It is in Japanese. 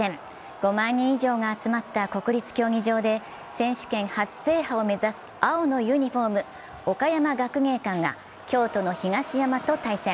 ５万人以上が集まった国立競技場で選手権初制覇を目指す青のユニフォーム、岡山学芸館が京都の東山と対戦。